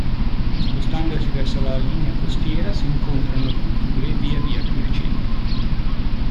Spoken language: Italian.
Spostandosi verso la linea costiera si incontrano culture via via più recenti.